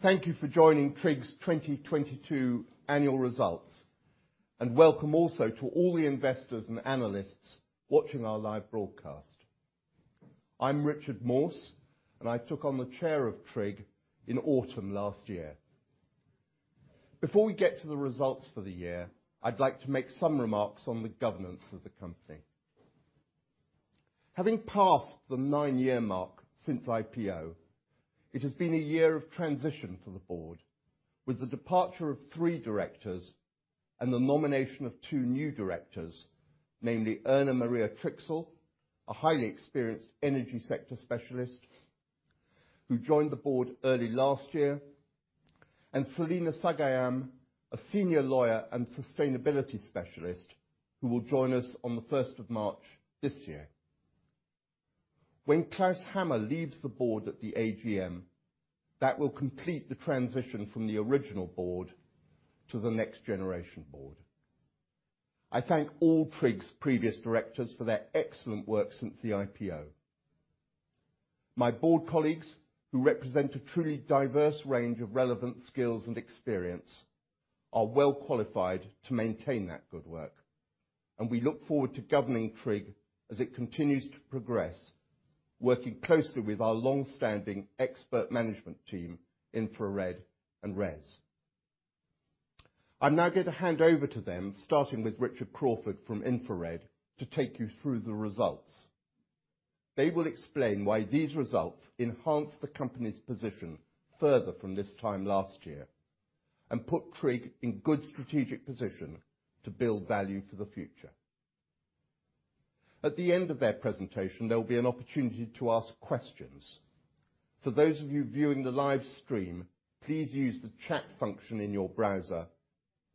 Thank you for joining TRIG's 2022 annual results. Welcome also to all the investors and analysts watching our live broadcast. I'm Richard Morse. I took on the chair of TRIG in autumn last year. Before we get to the results for the year, I'd like to make some remarks on the governance of the company. Having passed the nine-year mark since IPO, it has been a year of transition for the board with the departure of three directors and the nomination of two new directors, namely Erna-Maria Trixl, a highly experienced energy sector specialist who joined the board early last year, and Selina Sagayam, a senior lawyer and sustainability specialist who will join us on the first of March this year. When Klaus Hammer leaves the board at the AGM, that will complete the transition from the original board to the next generation board. I thank all TRIG's previous directors for their excellent work since the IPO. My board colleagues, who represent a truly diverse range of relevant skills and experience, are well qualified to maintain that good work. We look forward to governing TRIG as it continues to progress, working closely with our long-standing expert management team, InfraRed and RES. I'm now going to hand over to them, starting with Richard Crawford from InfraRed, to take you through the results. They will explain why these results enhance the company's position further from this time last year and put TRIG in good strategic position to build value for the future. At the end of their presentation, there'll be an opportunity to ask questions. For those of you viewing the live stream, please use the chat function in your browser,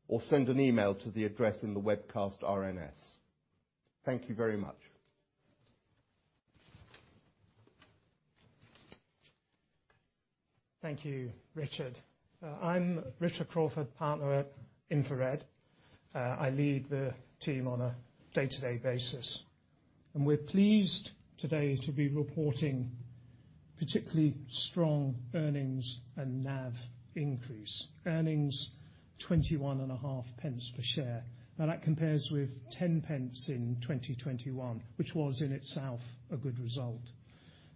or send an email to the address in the webcast RNS. Thank you very much. Thank you, Richard. I'm Richard Crawford, Partner at InfraRed. I lead the team on a day-to-day basis. We're pleased today to be reporting particularly strong earnings and NAV increase. Earnings, 21.5p per share. That compares with 10p in 2021, which was in itself a good result.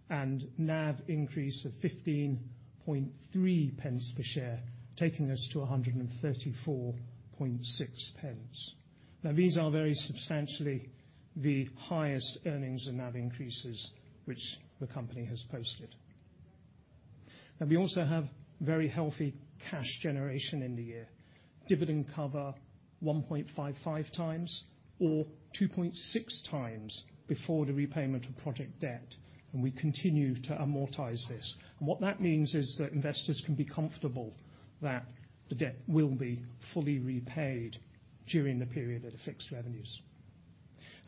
NAV increase of 15.3p per share, taking us to 134.6p. These are very substantially the highest earnings and NAV increases which the company has posted. We also have very healthy cash generation in the year. Dividend cover 1.55x or 2.6x before the repayment of project debt, and we continue to amortize this. What that means is that investors can be comfortable that the debt will be fully repaid during the period of the fixed revenues.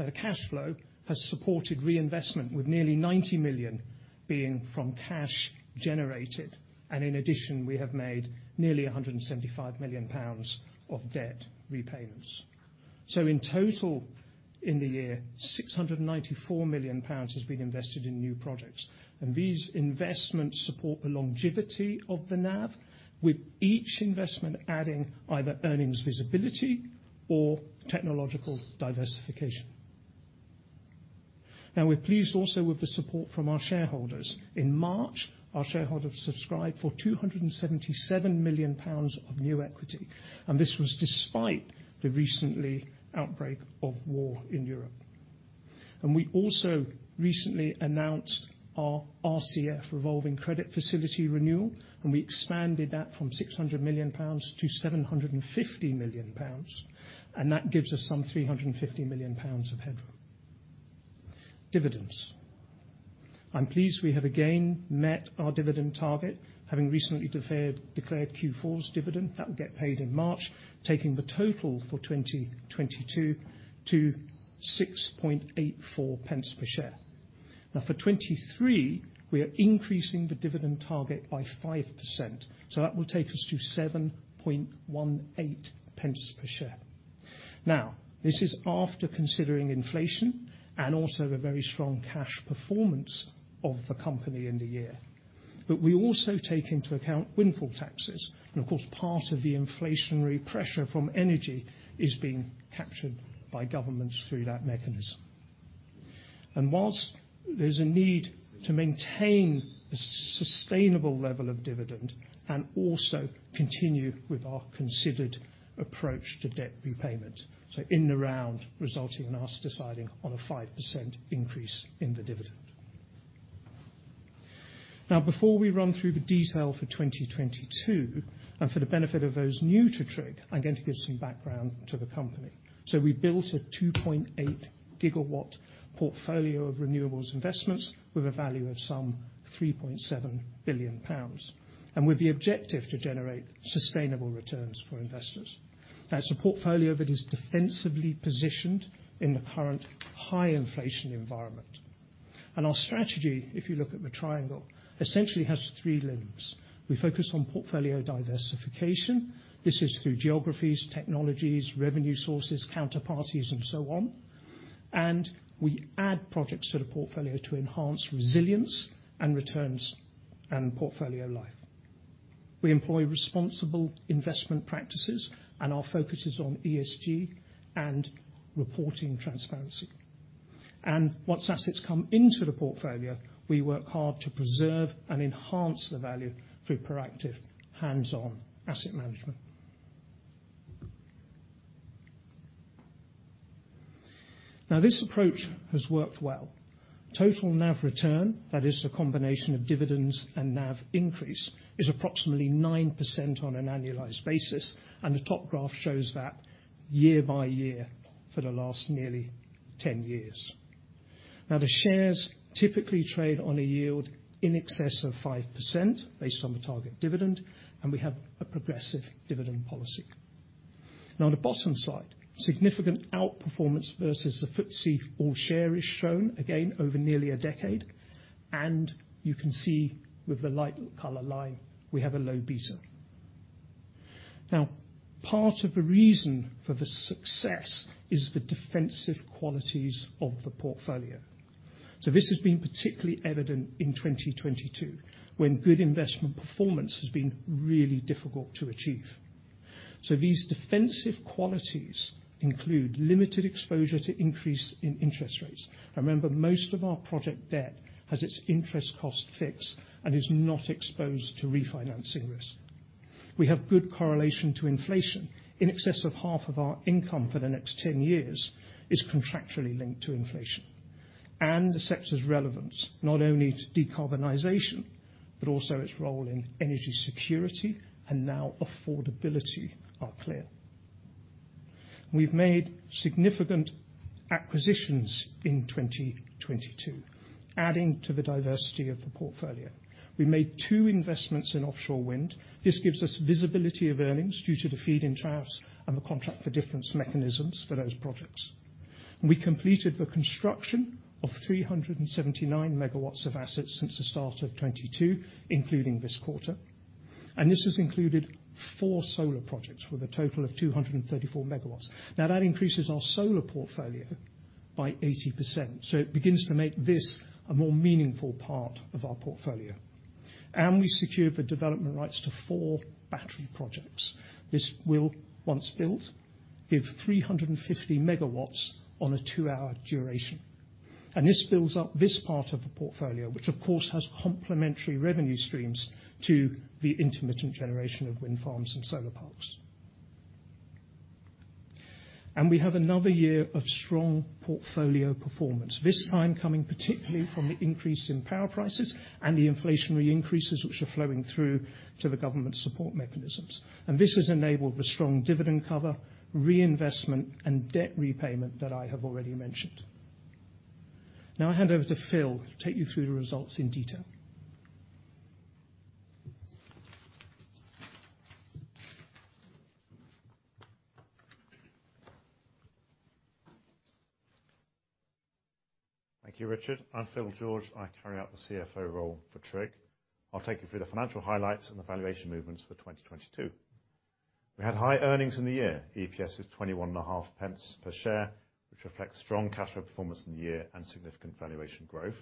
The cash flow has supported reinvestment, with nearly 90 million being from cash generated, and in addition, we have made nearly 175 million pounds of debt repayments. In total, in the year, 694 million pounds has been invested in new projects. These investments support the longevity of the NAV, with each investment adding either earnings visibility or technological diversification. We're pleased also with the support from our shareholders. In March, our shareholders subscribed for 277 million pounds of new equity, and this was despite the recently outbreak of war in Europe. We also recently announced our RCF revolving credit facility renewal. We expanded that from 600 million pounds to 750 million pounds. That gives us some 350 million pounds of headroom. Dividends. I'm pleased we have again met our dividend target, having recently declared Q4's dividend. That will get paid in March, taking the total for 2022 to 6.84p per share. For 2023, we are increasing the dividend target by 5%. That will take us to 7.18p per share. This is after considering inflation and also the very strong cash performance of the company in the year. We also take into account windfall taxes. Of course, part of the inflationary pressure from energy is being captured by governments through that mechanism. Whilst there's a need to maintain a sustainable level of dividend and also continue with our considered approach to debt repayment, so in the round, resulting in us deciding on a 5% increase in the dividend. Before we run through the detail for 2022, and for the benefit of those new to TRIG, I'm going to give some background to the company. We built a 2.8 GW portfolio of renewables investments with a value of some 3.7 billion pounds, and with the objective to generate sustainable returns for investors. It's a portfolio that is defensively positioned in the current high inflation environment. Our strategy, if you look at the triangle, essentially has three limbs. We focus on portfolio diversification. This is through geographies, technologies, revenue sources, counterparties and so on. We add projects to the portfolio to enhance resilience and returns and portfolio life. We employ responsible investment practices, and our focus is on ESG and reporting transparency. Once assets come into the portfolio, we work hard to preserve and enhance the value through proactive hands-on asset management. This approach has worked well. Total NAV return, that is the combination of dividends and NAV increase, is approximately 9% on an annualized basis, and the top graph shows that year by year for the last nearly 10 years. The shares typically trade on a yield in excess of 5% based on the target dividend, and we have a progressive dividend policy. On the bottom slide, significant outperformance versus the FTSE All-Share is shown, again over nearly a decade, and you can see with the light color line, we have a low beta. Part of the reason for the success is the defensive qualities of the portfolio. This has been particularly evident in 2022, when good investment performance has been really difficult to achieve. These defensive qualities include limited exposure to increase in interest rates. Remember, most of our project debt has its interest cost fixed and is not exposed to refinancing risk. We have good correlation to inflation. In excess of half of our income for the next 10 years is contractually linked to inflation. The sector's relevance, not only to decarbonization, but also its role in energy security and now affordability are clear. We've made significant acquisitions in 2022, adding to the diversity of the portfolio. We made two investments in offshore wind. This gives us visibility of earnings due to the Feed-in tariffs and the Contract for Difference mechanisms for those projects. We completed the construction of 379 MW of assets since the start of 2022, including this quarter. This has included four solar projects with a total of 234 MW. Now, that increases our solar portfolio by 80%, so it begins to make this a more meaningful part of our portfolio. We secured the development rights to four battery projects. This will, once built, give 350 MW on a two hour duration. This builds up this part of the portfolio, which of course has complementary revenue streams to the intermittent generation of wind farms and solar parks. We have another year of strong portfolio performance, this time coming particularly from the increase in power prices and the inflationary increases which are flowing through to the government support mechanisms. This has enabled the strong dividend cover, reinvestment, and debt repayment that I have already mentioned. I hand over to Phil to take you through the results in detail. Thank you, Richard. I'm Phil George. I carry out the CFO role for TRIG. I'll take you through the financial highlights and the valuation movements for 2022. We had high earnings in the year. EPS is 21.5p per share, which reflects strong cash flow performance in the year and significant valuation growth.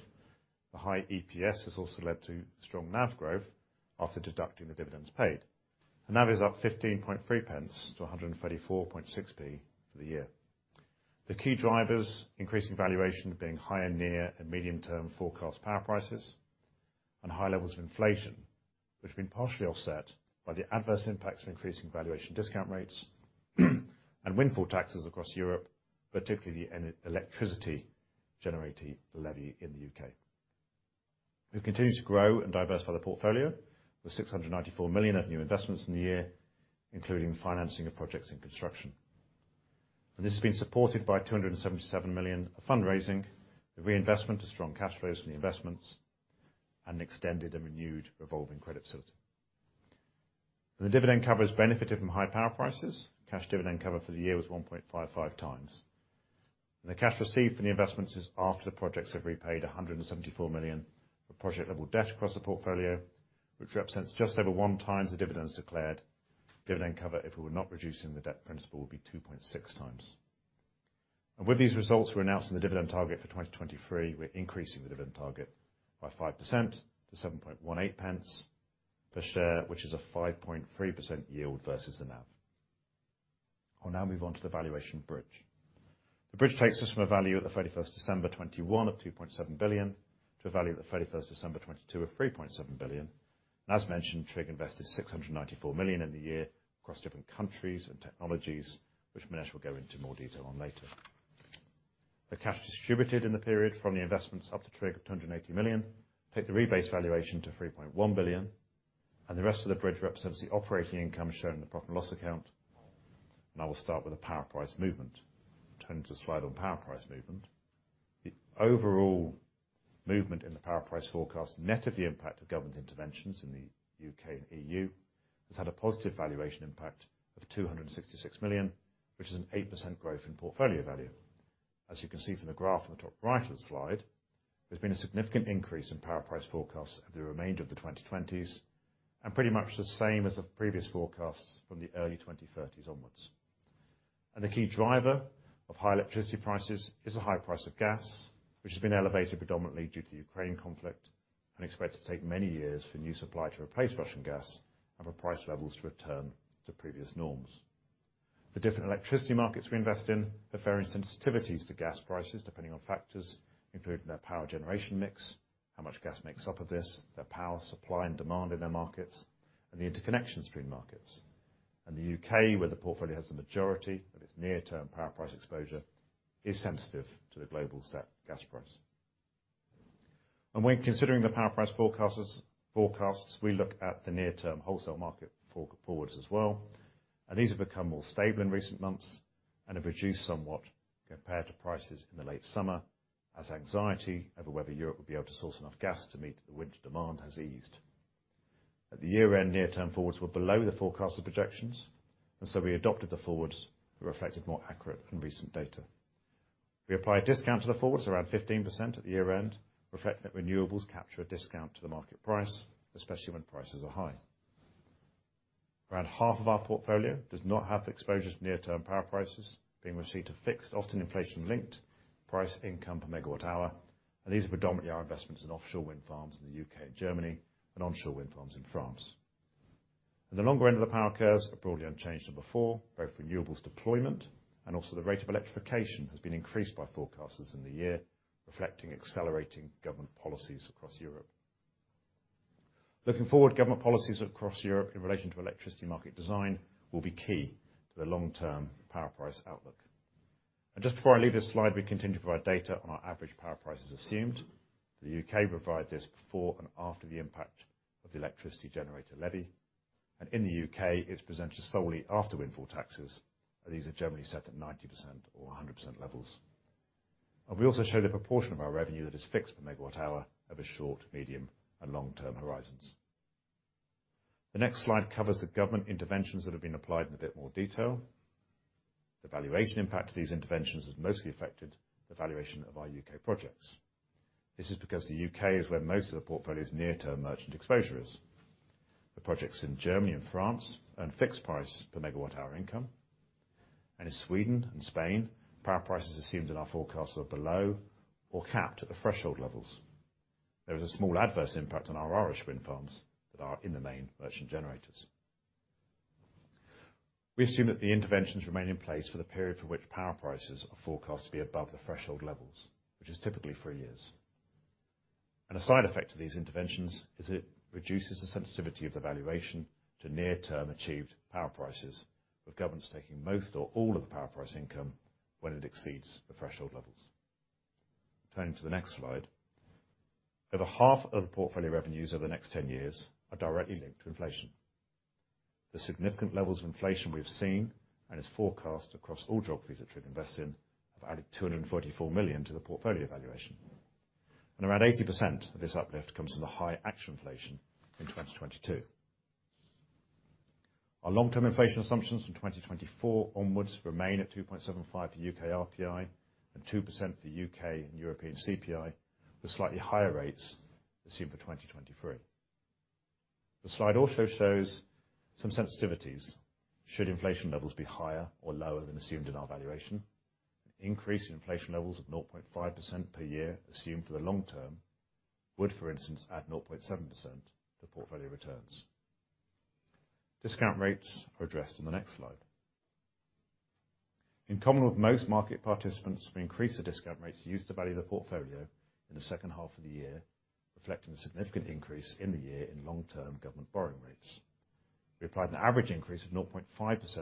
The high EPS has also led to strong NAV growth after deducting the dividends paid. The NAV is up 15.3p to 134.6p for the year. The key drivers increasing valuation being higher near and medium-term forecast power prices and high levels of inflation, which have been partially offset by the adverse impacts of increasing valuation discount rates and windfall taxes across Europe, particularly the Electricity Generator Levy in the U.K. We continue to grow and diversify the portfolio. The 694 million of new investments in the year, including financing of projects in construction. This has been supported by 277 million of fundraising, the reinvestment of strong cash flows from the investments, and extended a renewed revolving credit facility. The dividend cover has benefited from high power prices. Cash dividend cover for the year was 1.55x. The cash received from the investments is after the projects have repaid 174 million of project-level debt across the portfolio, which represents just over 1x the dividends declared. Dividend cover, if we were not reducing the debt principal, would be 2.6x. With these results, we're announcing the dividend target for 2023. We're increasing the dividend target by 5% to 7.18p per share, which is a 5.3% yield versus the NAV. I'll now move on to the valuation bridge. The bridge takes us from a value at the 31st December 2021 of 2.7 billion to a value at the 31st December 2022 of 3.7 billion. As mentioned, TRIG invested 694 million in the year across different countries and technologies, which Minesh will go into more detail on later. The cash distributed in the period from the investments up to TRIG, 280 million, take the rebase valuation to 3.1 billion, and the rest of the bridge represents the operating income shown in the profit loss account. We'll start with the power price movement. Turn to the slide on power price movement. The overall movement in the power price forecast, net of the impact of government interventions in the UK and EU, has had a positive valuation impact of 266 million, which is an 8% growth in portfolio value. As you can see from the graph in the top right of the slide, there's been a significant increase in power price forecasts over the remainder of the 2020s, pretty much the same as the previous forecasts from the early 2030s onwards. The key driver of high electricity prices is the high price of gas, which has been elevated predominantly due to the Ukraine conflict and expected to take many years for new supply to replace Russian gas and for price levels to return to previous norms. The different electricity markets we invest in have varying sensitivities to gas prices, depending on factors including their power generation mix, how much gas makes up of this, their power supply and demand in their markets, and the interconnections between markets. In the UK, where the portfolio has the majority of its near-term power price exposure, is sensitive to the global set gas price. When considering the power price forecasts, we look at the near-term wholesale market forwards as well. These have become more stable in recent months and have reduced somewhat compared to prices in the late summer, as anxiety over whether Europe would be able to source enough gas to meet the winter demand has eased. At the year-end, near-term forwards were below the forecasted projections. We adopted the forwards that reflected more accurate and recent data. We apply a discount to the forwards around 15% at the year-end, reflecting that renewables capture a discount to the market price, especially when prices are high. Around half of our portfolio does not have exposure to near-term power prices, being received a fixed, often inflation-linked price income per megawatt-hour. These are predominantly our investments in offshore wind farms in the UK and Germany and onshore wind farms in France. At the longer end of the power curves are broadly unchanged from before, both renewables deployment and also the rate of electrification has been increased by forecasters in the year, reflecting accelerating government policies across Europe. Looking forward, government policies across Europe in relation to electricity market design will be key to the long-term power price outlook. Just before I leave this slide, we continue to provide data on our average power prices assumed. The U.K. provide this before and after the impact of the Electricity Generator Levy. In the U.K., it's presented solely after windfall taxes, and these are generally set at 90% or 100% levels. We also show the proportion of our revenue that is fixed per megawatt-hour over short, medium, and long-term horizons. The next slide covers the government interventions that have been applied in a bit more detail. The valuation impact of these interventions has mostly affected the valuation of our U.K. projects. This is because the U.K. is where most of the portfolio's near-term merchant exposure is. The projects in Germany and France earn fixed price per megawatt-hour income, and in Sweden and Spain, power prices assumed in our forecasts are below or capped at the threshold levels. There is a small adverse impact on our Irish wind farms that are, in the main, merchant generators. We assume that the interventions remain in place for the period for which power prices are forecast to be above the threshold levels, which is typically three years. A side effect of these interventions is it reduces the sensitivity of the valuation to near-term achieved power prices, with governments taking most or all of the power price income when it exceeds the threshold levels. Turning to the next slide. Over half of the portfolio revenues over the next 10 years are directly linked to inflation. The significant levels of inflation we've seen and is forecast across all geographies that we've invested in have added 244 million to the portfolio valuation. Around 80% of this uplift comes from the high actual inflation in 2022. Our long-term inflation assumptions from 2024 onwards remain at 2.75% for U.K. RPI and 2% for U.K. and European CPI, with slightly higher rates assumed for 2023. The slide also shows some sensitivities, should inflation levels be higher or lower than assumed in our valuation. An increase in inflation levels of 0.5% per year assumed for the long term would, for instance, add 0.7% to the portfolio returns. Discount rates are addressed in the next slide. In common with most market participants, we increased the discount rates used to value the portfolio in the second half of the year, reflecting the significant increase in the year in long-term government borrowing rates. We applied an average increase of 0.5%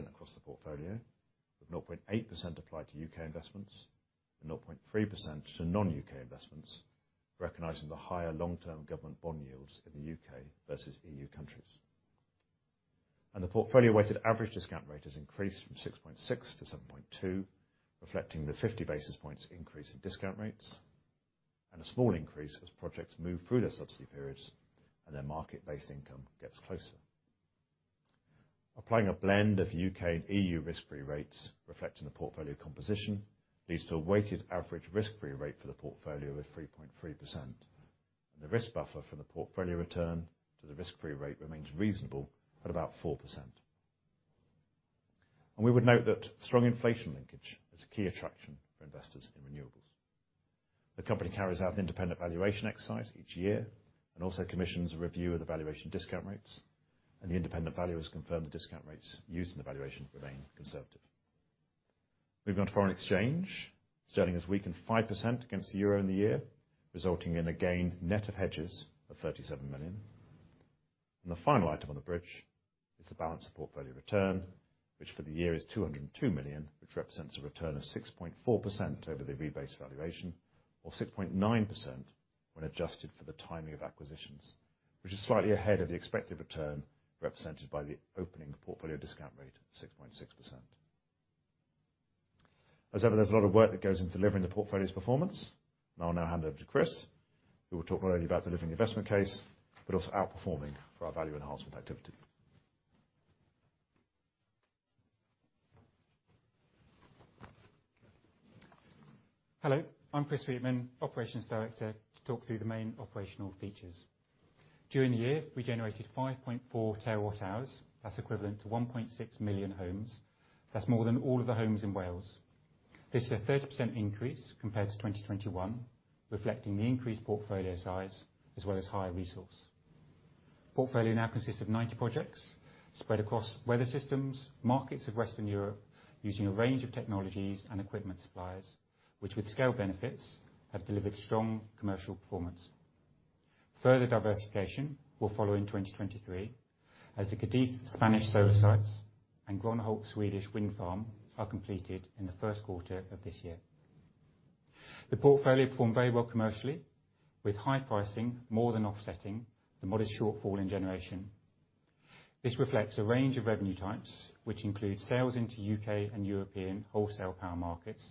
across the portfolio, with 0.8% applied to UK investments and 0.3% to non-UK investments, recognizing the higher long-term government bond yields in the UK versus EU countries. The portfolio weighted average discount rate has increased from 6.6% to 7.2%, reflecting the 50 basis points increase in discount rates and a small increase as projects move through their subsidy periods and their market-based income gets closer. Applying a blend of UK and EU risk-free rates, reflecting the portfolio composition, leads to a weighted average risk-free rate for the portfolio of 3.3%. The risk buffer from the portfolio return to the risk-free rate remains reasonable at about 4%. We would note that strong inflation linkage is a key attraction for investors in renewables. The company carries out an independent valuation exercise each year and also commissions a review of the valuation discount rates, and the independent valuers confirm the discount rates used in the valuation remain conservative. Moving on to foreign exchange. Sterling has weakened 5% against the EUR in the year, resulting in a gain net of hedges of 37 million. The final item on the bridge is the balance of portfolio return, which for the year is 202 million, which represents a return of 6.4% over the rebased valuation, or 6.9% when adjusted for the timing of acquisitions, which is slightly ahead of the expected return represented by the opening portfolio discount rate of 6.6%. As ever, there's a lot of work that goes into delivering the portfolio's performance, and I'll now hand over to Chris, who will talk not only about delivering the investment case, but also outperforming for our value enhancement activity. Hello, I'm Chris Sweetman, operations director, to talk through the main operational features. During the year, we generated 5.4 terawatt-hours. That's equivalent to 1.6 million homes. That's more than all of the homes in Wales. This is a 30% increase compared to 2021, reflecting the increased portfolio size, as well as higher resource. Portfolio now consists of 90 projects spread across weather systems, markets of Western Europe, using a range of technologies and equipment suppliers, which with scale benefits have delivered strong commercial performance. Further diversification will follow in 2023 as the Cadiz Spanish solar sites and Grönhult Swedish wind farm are completed in the first quarter of this year. The portfolio performed very well commercially with high pricing, more than offsetting the modest shortfall in generation. This reflects a range of revenue types, which include sales into UK and European wholesale power markets,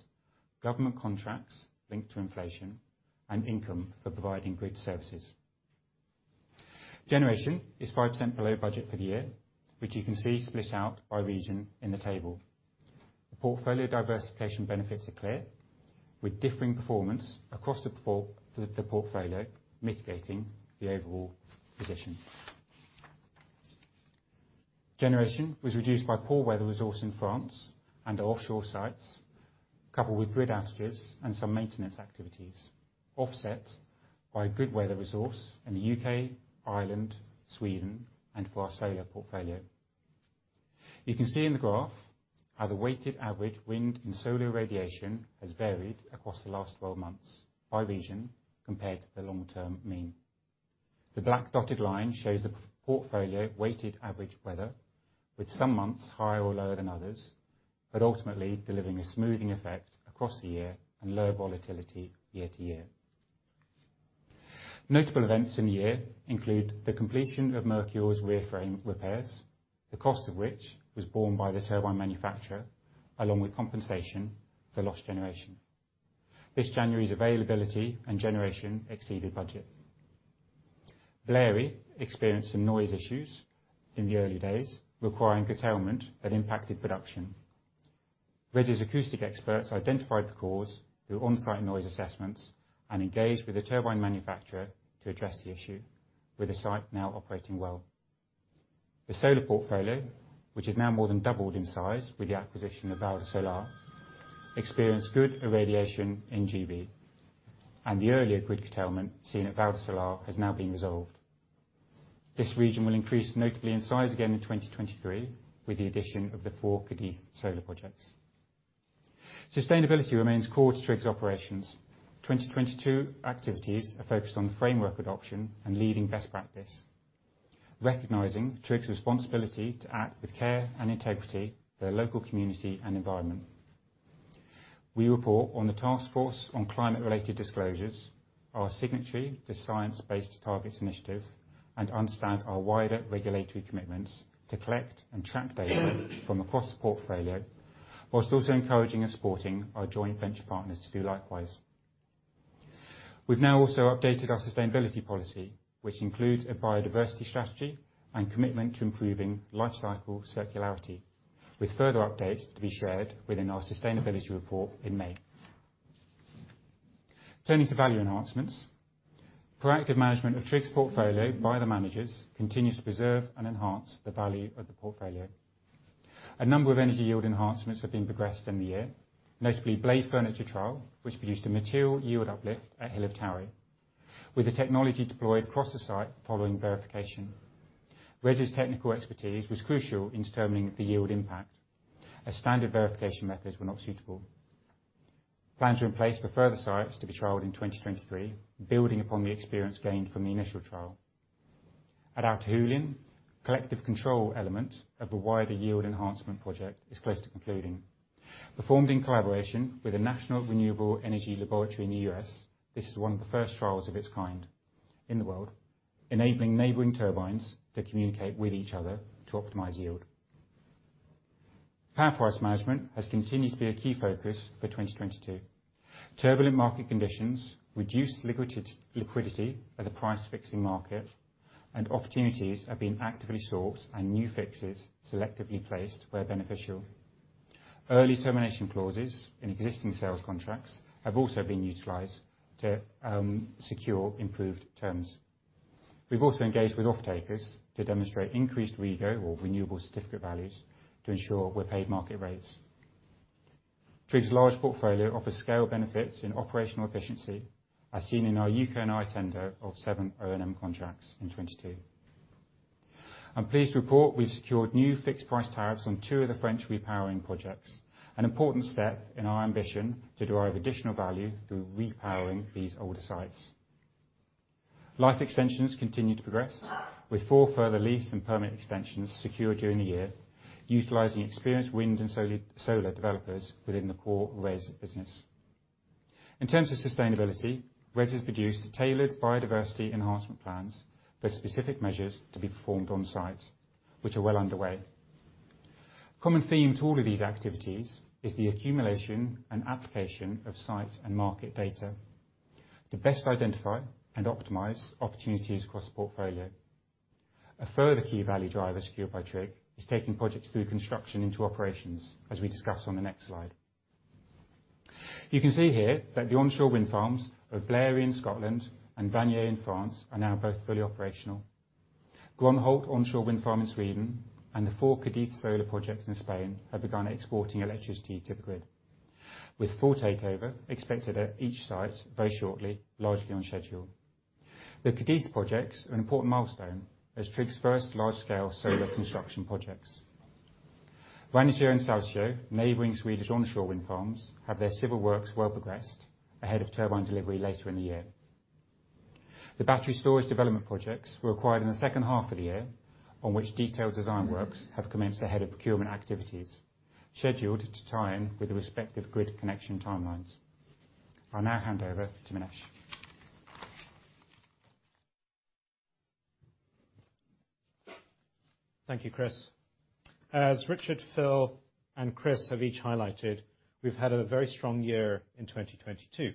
government contracts linked to inflation, and income for providing grid services. Generation is 5% below budget for the year, which you can see split out by region in the table. The portfolio diversification benefits are clear, with differing performance across the portfolio mitigating the overall position. Generation was reduced by poor weather resource in France and our offshore sites, coupled with grid outages and some maintenance activities, offset by good weather resource in the UK, Ireland, Sweden, and for our solar portfolio. You can see in the graph how the weighted average wind and solar irradiation has varied across the last 12 months by region compared to the long-term mean. The black dotted line shows the portfolio weighted average weather, with some months higher or lower than others, but ultimately delivering a smoothing effect across the year and lower volatility year to year. Notable events in the year include the completion of Merkur's rear frame repairs, the cost of which was borne by the turbine manufacturer, along with compensation for lost generation. This January's availability and generation exceeded budget. Blary Hill experienced some noise issues in the early days, requiring curtailment that impacted production. RWE's acoustic experts identified the cause through on-site noise assessments and engaged with the turbine manufacturer to address the issue, with the site now operating well. The solar portfolio, which has now more than doubled in size with the acquisition of Valdesolar, experienced good irradiation in GB, and the earlier grid curtailment seen at Valdesolar has now been resolved. This region will increase notably in size again in 2023 with the addition of the four Cadiz solar projects. Sustainability remains core to TRIG's operations. 2022 activities are focused on the framework adoption and leading best practice, recognizing TRIG's responsibility to act with care and integrity for their local community and environment. We report on the Task Force on Climate-related Financial Disclosures, our signatory for Science Based Targets initiative, and understand our wider regulatory commitments to collect and track data from across the portfolio, whilst also encouraging and supporting our joint venture partners to do likewise. We've now also updated our sustainability policy, which includes a biodiversity strategy and commitment to improving life cycle circularity, with further updates to be shared within our sustainability report in May. Turning to value enhancements. Proactive management of TRIG's portfolio by the managers continues to preserve and enhance the value of the portfolio. A number of energy yield enhancements have been progressed in the year, notably blade furniture trial, which produced a material yield uplift at Hill of Towie, with the technology deployed across the site following verification. RWE's technical expertise was crucial in determining the yield impact, as standard verification methods were not suitable. Plans are in place for further sites to be trialed in 2023, building upon the experience gained from the initial trial. At Altahullion, collective control element of a wider yield enhancement project is close to concluding. Performed in collaboration with the National Renewable Energy Laboratory in the U.S., this is one of the first trials of its kind in the world, enabling neighboring turbines to communicate with each other to optimize yield. Power price management has continued to be a key focus for 2022. Turbulent market conditions reduced liquidity at the price fixing market. Opportunities have been actively sought and new fixes selectively placed where beneficial. Early termination clauses in existing sales contracts have also been utilized to secure improved terms. We've also engaged with off-takers to demonstrate increased REGO or renewable certificate values to ensure we're paid market rates. TRIG's large portfolio offers scale benefits in operational efficiency as seen in our UK and I tender of seven O&M contracts in 2022. I'm pleased to report we've secured new fixed price tariffs on two of the French repowering projects, an important step in our ambition to derive additional value through repowering these older sites. Life extensions continue to progress with four further lease and permit extensions secured during the year, utilizing experienced wind and solar developers within the core RWE's business. In terms of sustainability, RWE's produced tailored biodiversity enhancement plans for specific measures to be performed on-site, which are well underway. Common theme to all of these activities is the accumulation and application of site and market data to best identify and optimize opportunities across the portfolio. A further key value driver secured by TRIG is taking projects through construction into operations, as we discuss on the next slide. You can see here that the onshore wind farms of Blary Hill in Scotland and Vannier-Amance in France are now both fully operational. Grönhult onshore wind farm in Sweden and the four Cádiz solar projects in Spain have begun exporting electricity to the grid, with full takeover expected at each site very shortly, largely on schedule. The Cádiz projects are an important milestone as TRIG's first large-scale solar construction projects. Vannäs and Salsjö, neighboring Swedish onshore wind farms, have their civil works well progressed ahead of turbine delivery later in the year. The battery storage development projects were acquired in the second half of the year, on which detailed design works have commenced ahead of procurement activities scheduled to tie in with the respective grid connection timelines. I'll now hand over to Minesh. Thank you, Chris. As Richard, Phil, and Chris have each highlighted, we've had a very strong year in 2022.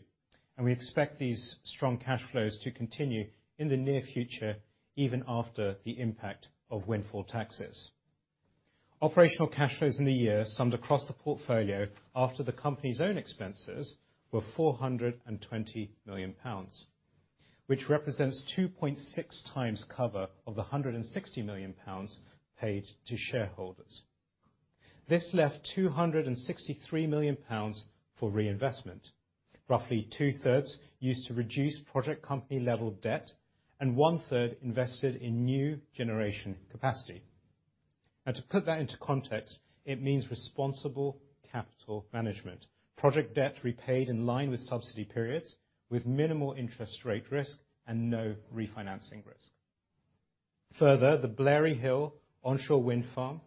We expect these strong cash flows to continue in the near future, even after the impact of windfall taxes. Operational cash flows in the year summed across the portfolio after the company's own expenses were 420 million pounds, which represents 2.6x cover of the 160 million pounds paid to shareholders. This left 263 million pounds for reinvestment, roughly two-thirds used to reduce project company level debt and one-third invested in new generation capacity. To put that into context, it means responsible capital management. Project debt repaid in line with subsidy periods, with minimal interest rate risk and no refinancing risk. Further, the Blary Hill onshore wind farm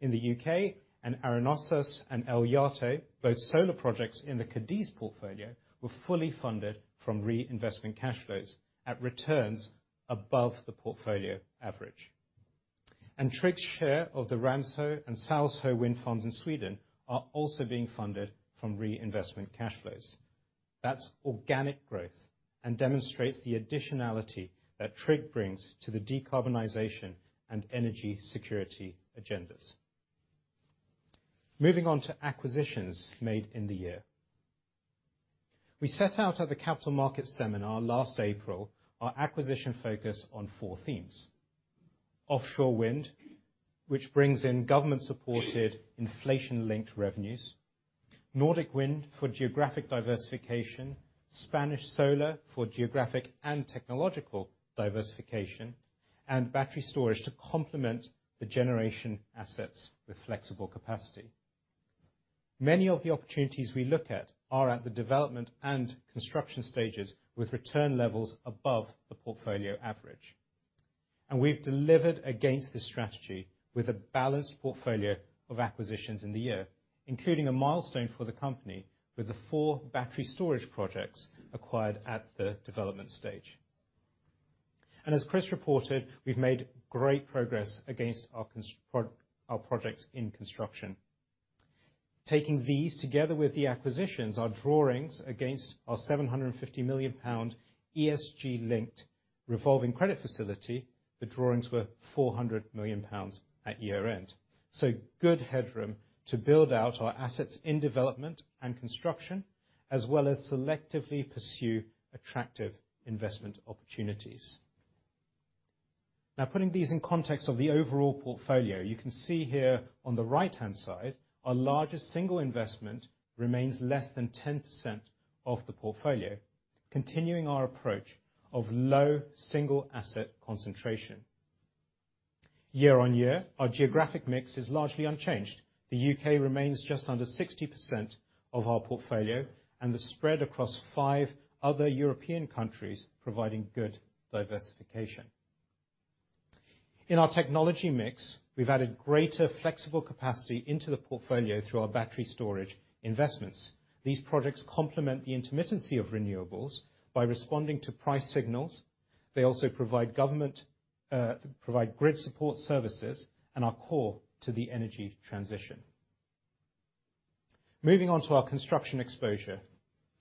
in the U.K. and Arenosas and El Jaro, both solar projects in the Cádiz portfolio, were fully funded from reinvestment cash flows at returns above the portfolio average. TRIG's share of the Ramshö and Salsjö wind farms in Sweden are also being funded from reinvestment cash flows. That's organic growth and demonstrates the additionality that TRIG brings to the decarbonization and energy security agendas. Moving on to acquisitions made in the year. We set out at the capital market seminar last April our acquisition focus on four themes. Offshore wind, which brings in government-supported inflation-linked revenues. Nordic wind for geographic diversification. Spanish solar for geographic and technological diversification, and battery storage to complement the generation assets with flexible capacity. Many of the opportunities we look at are at the development and construction stages with return levels above the portfolio average. We've delivered against this strategy with a balanced portfolio of acquisitions in the year, including a milestone for the company with the 4 battery storage projects acquired at the development stage. As Chris reported, we've made great progress against our projects in construction. Taking these together with the acquisitions, our drawings against our 750 million pound ESG-linked revolving credit facility, the drawings were 400 million pounds at year-end. Good headroom to build out our assets in development and construction, as well as selectively pursue attractive investment opportunities. Putting these in context of the overall portfolio, you can see here on the right-hand side, our largest single investment remains less than 10% of the portfolio, continuing our approach of low single asset concentration. Year-on-year, our geographic mix is largely unchanged. The U.K. remains just under 60% of our portfolio and the spread across five other European countries, providing good diversification. In our technology mix, we've added greater flexible capacity into the portfolio through our battery storage investments. These projects complement the intermittency of renewables by responding to price signals. They also provide grid support services and are core to the energy transition. Moving on to our construction exposure.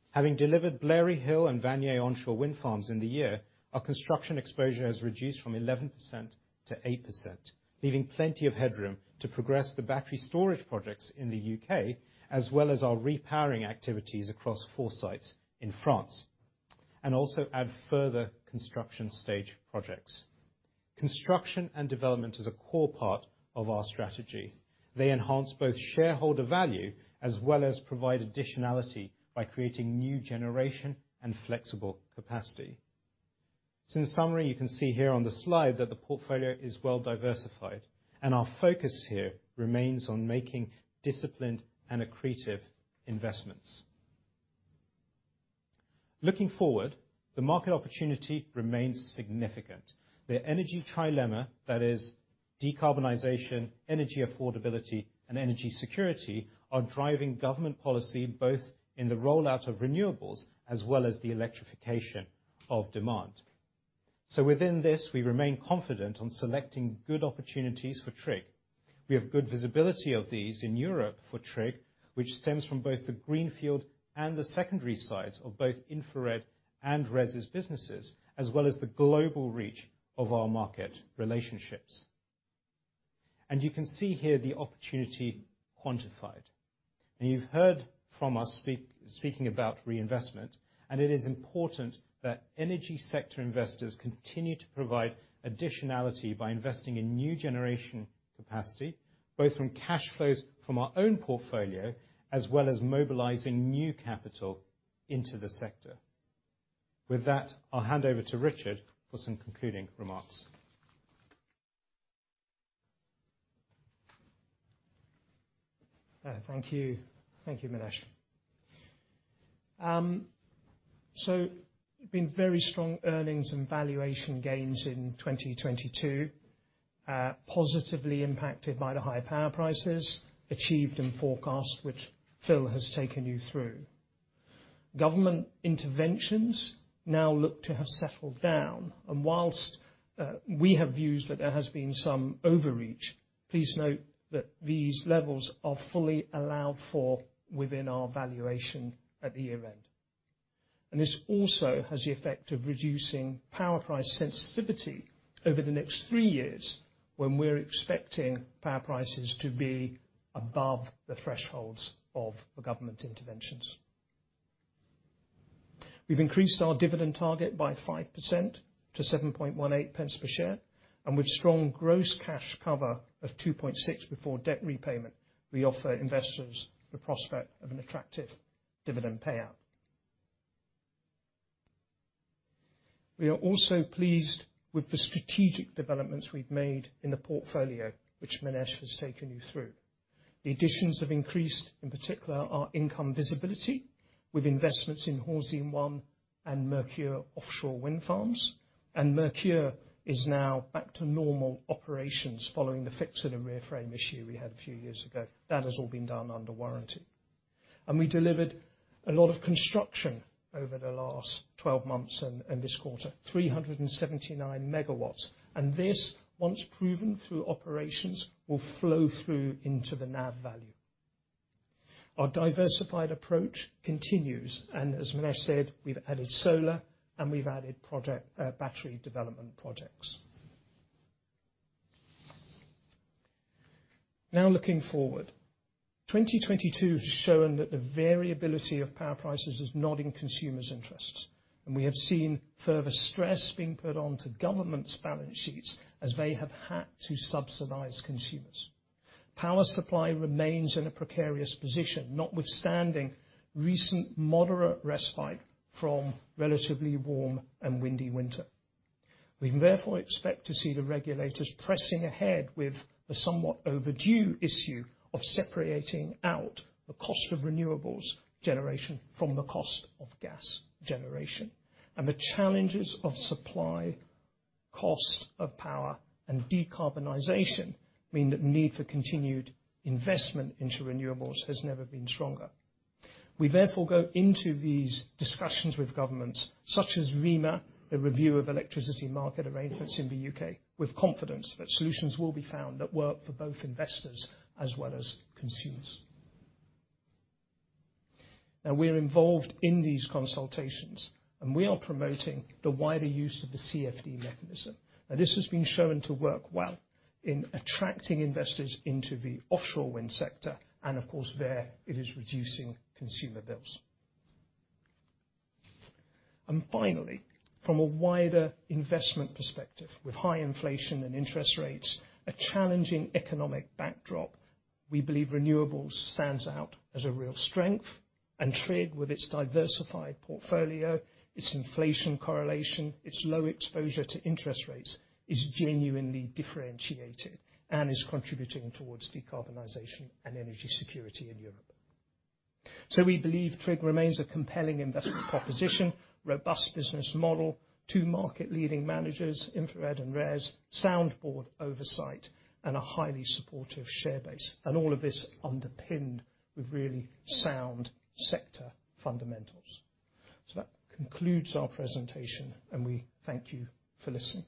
Having delivered Blary Hill and Vannier-Amance onshore wind farms in the year, our construction exposure has reduced from 11% to 8%, leaving plenty of headroom to progress the battery storage projects in the U.K., as well as our repowering activities across four sites in France, and also add further construction stage projects. Construction and development is a core part of our strategy. They enhance both shareholder value as well as provide additionality by creating new generation and flexible capacity. In summary, you can see here on the slide that the portfolio is well diversified and our focus here remains on making disciplined and accretive investments. Looking forward, the market opportunity remains significant. The energy trilemma, that is decarbonization, energy affordability, and energy security, are driving government policy both in the rollout of renewables as well as the electrification of demand. Within this, we remain confident on selecting good opportunities for TRIG. We have good visibility of these in Europe for TRIG, which stems from both the greenfield and the secondary sites of both InfraRed and RES's businesses, as well as the global reach of our market relationships. You can see here the opportunity quantified. You've heard from us speaking about reinvestment, and it is important that energy sector investors continue to provide additionality by investing in new generation capacity, both from cash flows from our own portfolio, as well as mobilizing new capital into the sector. With that, I'll hand over to Richard for some concluding remarks. Thank you. Thank you, Minesh. Been very strong earnings and valuation gains in 2022, positively impacted by the high power prices, achieved and forecast, which Phil has taken you through. Government interventions now look to have settled down. Whilst we have views that there has been some overreach, please note that these levels are fully allowed for within our valuation at the year-end. This also has the effect of reducing power price sensitivity over the next three years, when we're expecting power prices to be above the thresholds of the government interventions. We've increased our dividend target by 5% to 0.0718 per share, and with strong gross cash cover of 2.6 before debt repayment, we offer investors the prospect of an attractive dividend payout. We are also pleased with the strategic developments we've made in the portfolio, which Minesh has taken you through. The additions have increased, in particular, our income visibility, with investments in Hornsea 1 and Merkur offshore wind farms. Merkur is now back to normal operations following the fix to the rear frame issue we had a few years ago. That has all been done under warranty. We delivered a lot of construction over the last 12 months and this quarter, 379 MW. This, once proven through operations, will flow through into the NAV value. Our diversified approach continues, and as Minesh said, we've added solar and we've added project battery development projects. Now looking forward. 2022 has shown that the variability of power prices is not in consumers' interests, and we have seen further stress being put onto governments' balance sheets as they have had to subsidize consumers. Power supply remains in a precarious position, notwithstanding recent moderate respite from relatively warm and windy winter. We can therefore expect to see the regulators pressing ahead with the somewhat overdue issue of separating out the cost of renewables generation from the cost of gas generation. The challenges of supply, cost of power, and decarbonization mean that need for continued investment into renewables has never been stronger. We therefore go into these discussions with governments, such as REMA, the Review of Electricity Market Arrangements in the U.K., with confidence that solutions will be found that work for both investors as well as consumers. We're involved in these consultations, and we are promoting the wider use of the CFD mechanism. This has been shown to work well in attracting investors into the offshore wind sector and, of course, there it is reducing consumer bills. Finally, from a wider investment perspective, with high inflation and interest rates, a challenging economic backdrop, we believe renewables stands out as a real strength. TRIG, with its diversified portfolio, its inflation correlation, its low exposure to interest rates, is genuinely differentiated and is contributing towards decarbonization and energy security in Europe. We believe TRIG remains a compelling investment proposition, robust business model, two market leading managers, InfraRed and RES, sound board oversight, and a highly supportive share base. All of this underpinned with really sound sector fundamentals. That concludes our presentation, and we thank you for listening.